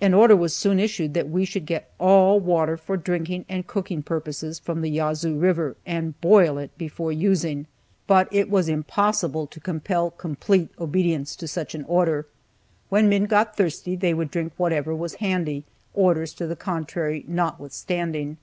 An order was soon issued that we should get all water for drinking and cooking purposes from the Yazoo river, and boil it before using, but it was impossible to compel complete obedience to such an order. When men got thirsty, they would drink whatever was handy, orders to the contrary notwithstanding.